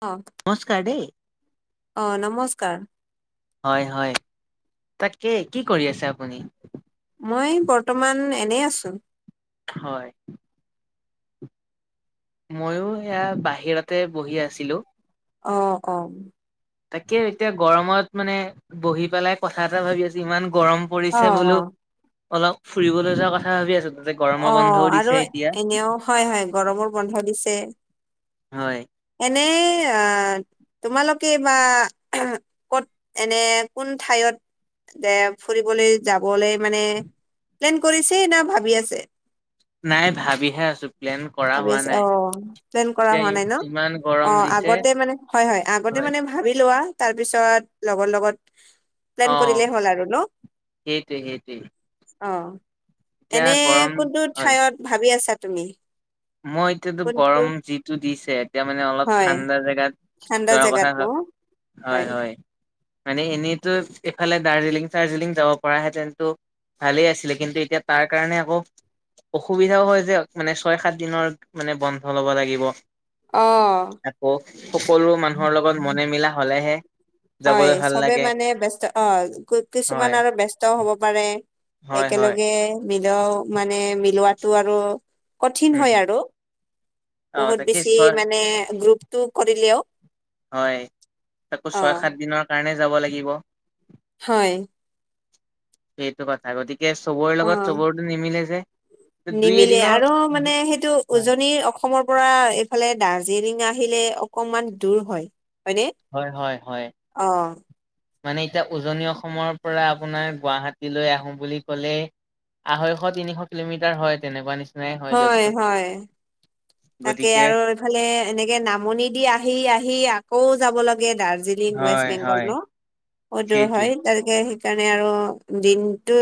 অ। নমস্কাৰ দেই। অ, নমস্কাৰ। হয়, হয়, তাতকে কি কৰি আছে আপুনি? মই বৰ্তমান এনেই আছো। হয়। ময়ো এয়া বাহিৰতে বহি আছিলোঁ। অ, ক তাকে এতিয়া গৰমত মানে বহি পেলাই কথা এটা ভাবি আছো ইমান গৰম অ পৰিছে অ বোলো অলপ ফুৰিবলৈ যোৱা কথা ভাবি আছো তাতে গৰমৰ বন্ধও দিছে এতিয়া। হয়-হয় গৰমৰ বন্ধ দিছে হয়। এনেই আঁ তোমালোকে বা ক'ত এনে কোন ঠাইঅত ফুৰিবলৈ যাবলৈ মানে, প্লেন কৰিছে না ভাবি আছে? নাই ভাবিহে আছো। প্লেন কৰা ভাবি হোৱা আছে অ, নাই প্লেন কৰা এতিয়া হোৱা ই নাই ন ইমান অ, গৰম দিছে আগতে মানে হয় হয়, আগতে মানে ভাবি লোৱা তাৰ পিছত লগৰ লগত প্লেন অ কৰিলে হ'ল আৰু ন, সেইটোৱে সেইটোৱে অঁ। এতিয়া এনেই গৰম কোনটো হয় ঠাইঅত ভাবি আছা তুমি? মই এতিয়াতো কোনটো গৰম যিটো দিছে এতিয়া মানে অলপ হয় ঠাণ্ডা জেগাত ঠাণ্ডা যোৱাৰ জেগাত কথা ভা মোৰ হয় হয় মানে এনেইতো এইফালে দাৰ্জিলিং চাৰ্জিলিং যাব পৰা হেঁতেনটো ভালেই আছিলে, কিন্তু এতিয়া তাৰ কাৰণে আকৌ অসুবিধাও হয় যে মানে ছয় সাত দিনৰ মানে বন্ধ ল'ব লাগিব। অ আকৌ সকলো মানুহৰ লগত মনে মিলা হলেহে হয়, যাবলৈ ভাল চবে লাগে মানে ব্যস্ত অ, কিছুমান হয় আৰু ব্যস্ত হব পাৰে। হয় হয় একেলগে মিলও মানে মিলোৱাতটো আৰু কঠিন উম হয় আৰু। অ বহুত তাকে বেছি ছয় মানে গ্ৰুপটো কৰিলেও হয়, তাকো ছয় সাত অ' দিনৰ কাৰণে যাব লাগিব। হয়। সেইটো কথা গতিকে চবৰে লগত অ' চবৰটো নিমিলে যে। দুই নিমিলে এদিনৰ আৰু মানে সেইটো হয় উজনিৰ অসমৰ পৰা এইফালে দাৰ্জিলিং আহিলে অকনমান দূৰ হয়। হয়নে? হয় হয় হয়। অ' মানে এতিয়া উজনি অসমৰ পৰা আপোনাৰ গুৱাহাটীলৈ আহো বুলি ক'লেই আঢ়ৈশ তিনিশ কিলোমিটাৰ হয় তেনেকুৱা নিচি হয় হয়। তাকে গতিকে আৰু এইফালে এনেকে নামনি দি আহি আহি আকৌ যাব লাগে দাৰ্জি লিং ৱেষ্ট হয় বেংগল হয় ন, বহুত দূৰ সেইটোৱে হয়। তেনেকে সেইকাৰণে আৰু দিনতটো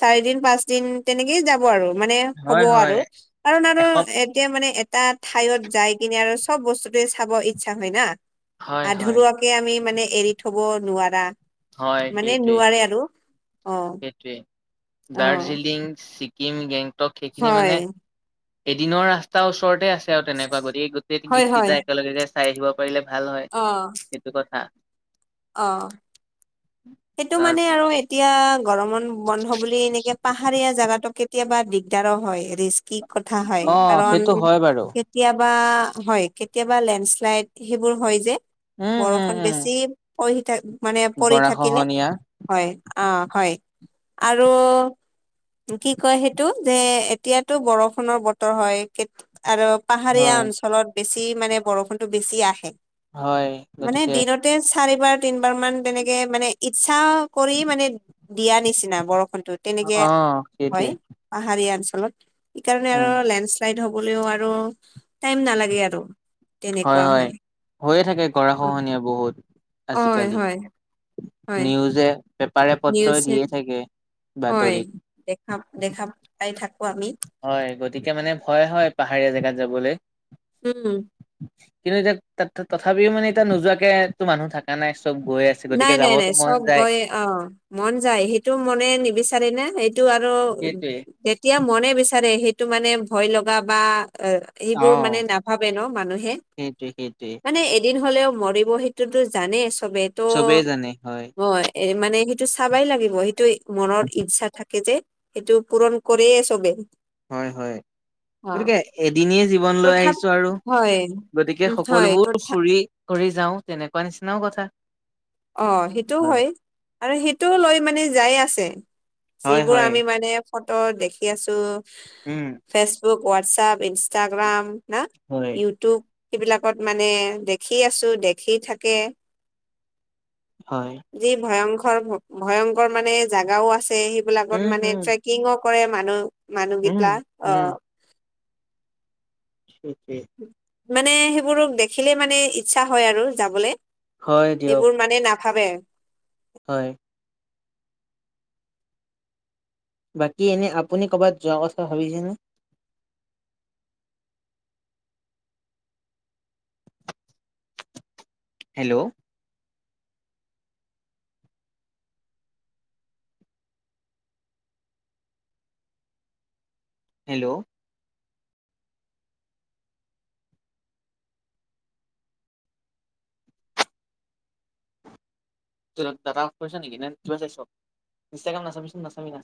চাৰি দিন পাঁচ দিন তেনেকেই যাব আৰু মানে হ'ব হয় হয় আৰু, কাৰণ আৰু এসপ এতিয়া মানে এটাত ঠাইত যাই কিনে আৰু চব বস্তুতোৱে চাব ইচ্ছা হৈ না। হয় হয় আধৰুৱা তাকে আমি মানে এৰি থব নোৱাৰা হয় মানে সেইটোৱে নোৱাৰে আৰু অঁ। সেইটোৱে, দাৰ্জিলিং ছিকিম গেংটক সেইখিনি হয় মানে এদিনৰ ৰাস্তাৰ ওচৰতে আছে আৰু তেনেকুৱা গতিকে গোটেই হয় গীতকেইটা একেলগে চাই আহিব পাৰিলে ভাল হয়। অঁ সেইটো কথা। অ [inaudible] সেইটো মানে আৰু এতিয়া গৰমত বন বন্ধ বুলি এনেকে পাহাৰীয়া জোগাতকে কেতিয়াবা দিগদাৰো হয়, ৰিস্কি কথা হয়, অ কাৰণ সেইটো হয় বাৰু কেতিয়াবা হয় কেতিয়াবা লেণ্ড শ্লাইড সেইবোৰ হয় যে। উম উম বৰষুণ উম বেছি পৰি থাক মানে পৰি থাক [inaudible] হয় অ' হয়, আৰু কি কয় সেইটো যে এতিয়াতো বৰষুণৰ বতৰ হয়, আৰু পাহাৰীয়া হয় অঞ্চলত, বেছি মানে বৰষুণতো বেছি আহে। হয়, গতিকে তে চাৰিবাৰ তিনিবাৰ মান তেনেকে মানে, ইচ্ছা কৰি মানে, দিয়া নিচিনা বৰষুণতো, তেনেকে অ হ'য়। সেইটোৱে পাহাৰীয়া অঞ্চলত, সেইকাৰণে আৰু উম লেণ্ড চালাইট হ'বলৈও আৰু, টাইম নালাগে আৰু। হয় হয়, হৈয়ে থাকে গৰা অ খহনীয়া বহুত। হয়, আজিকালি হয়। হয় নিউজে পেপাৰে পত্ৰ নিউজে দিয়ে থাকে, বাতৰিত। নাম দেখা পাই থাকো আমি। হয়, গতিকে মানে ভয় হয়, পাহাৰীয়া জেগাত যাবলে। উম। কিন্তু এতিয়া, তথাপিও মানে এতিয়া নোযোৱাকে তো মানুহ থকা নাই চব গৈ আছে। নাই গতিকে নাই নাই, যাবতো মন চব যায় গৈ অ', মন যায়, সেইটো মনে নিবিচাৰে নে সেইটো আৰু সেইটোৱে যেতিয়া মনে বিচাৰে সেইটো মানে ভয় লগা বা অ এইবোৰ মানে নাভাবে ন মানুহে, সেইটোৱে সেইটোৱে মানে এই এদিন হলেও মৰিব সেইটোতো জানেই চবেই তো, চবেই জানে হ'য়। এ মানে সেইটো চাবাই লাগিব, সেইটো মনৰ ইচ্ছা থাকে যে। সেইটো পূৰণ কৰিয়ে চবে। হয় হয়, অ গতিকে এদিনিয়া জীৱন লৈ তথাপ আহিছো আৰু, হয় গতিকে উম হয় সকলোবোৰ তথা ফুৰি কৰি যাওঁ তেনেকুৱা নিচিনাও কথা। অ' সেইটো হয়, আৰু সেইটোও লৈ মানে যাই আছে। হয় যিবোৰ হয় আমি মানে ফটো দেখি আছো উম। ফেচবুক, হোৱাটছএপ, ইনষ্টাগ্ৰাম না হয় ইউটিউব সেইবিলাকত মানে দেখি আছো, দেখি থাকে হয়। যি ভয়ংকৰ, ভয়ংকৰ মানে জোগাও আছে উম সেইবিলাকত মানে উম ট্ৰেক ট্ৰেকিংও কৰে মানুহ, উম, মানুহবিলাগ, অ'। উম, [inaudible] মানে সেইবোৰক দেখিলে মানে ইচ্ছা হয় আৰু যাবলে। হয় দিয়ক এইবোৰ মানে নাভাবে। হয়। বাকী এনে আপুনি ক'বাত যোৱা কথা ভাবিছেনে? হেল্ল'। হেল্ল'। দাটা অফ কৰিছা নেকি, [unintelligible] ইনষ্টাগ্ৰাম নাচাবি চোন নাচাবি নাচাবি।